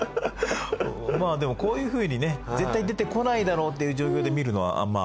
まあでもこういうふうにね絶対出てこないだろうっていう状況で見るのはまあ。